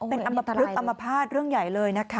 เป็นอัมพฤษอัมพาตเรื่องใหญ่เลยนะคะ